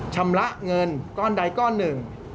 ชำระเงินก้อนใดก้อนหนึ่ง